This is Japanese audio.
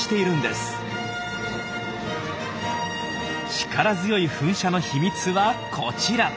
力強い噴射の秘密はこちら。